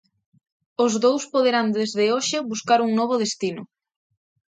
Os dous poderán desde hoxe buscar un novo destino.